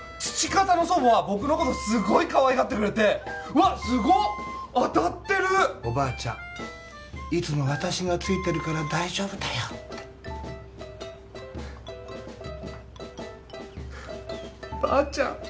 父方の祖母は僕のことすっごいかわいがってくれてうわっすごっ当たってるおばあちゃんいつも私がついてるから大丈夫だよってばあちゃん